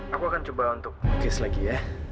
aku akan coba untuk case lagi ya